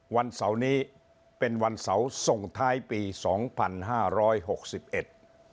วันเสาร์นี้เป็นวันเสาร์ส่งท้ายปีสองพันห้าร้อยหกสิบเอ็ด